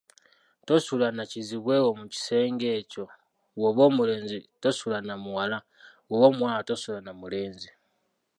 Tosula na kizibwe wo mu kisengekyo, bw’oba omulenzi tosula namuwala, bw’oba omuwala tosula namulenzi.